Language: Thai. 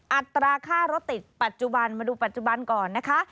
อัตราค่ารถติดปัจจุบันมาดูปัจจุบันก่อนนะคะ